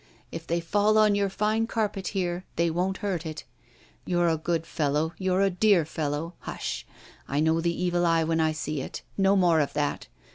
if they fall on your fine carpet here, they won't hurt it. You're a good fellow; you're a dear fellow. Hush! I know the Evil Eye when I see it. No more of that!